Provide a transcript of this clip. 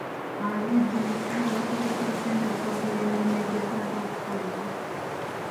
Abavvujjirizi bakozesa ssente okuwagira emirimu egyetaaga okukolebwa.